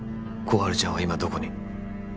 春ちゃんは今どこに？